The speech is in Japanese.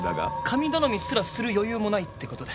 神頼みすらする余裕もないって事です。